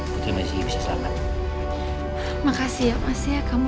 putri masih bisa selamat makasih ya mas ya kamu